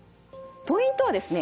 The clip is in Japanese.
ポイントはですね